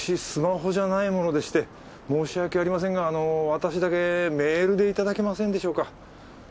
スマホじゃないものでして申し訳ありませんがあの私だけメールでいただけませんでしょうか？